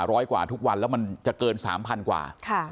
ร้อยกว่าทุกวันแล้วมันจะเกิน๓๐๐กว่า